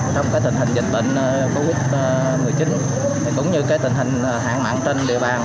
trong tình hình dịch bệnh covid một mươi chín cũng như tình hình hạn mạng trên địa bàn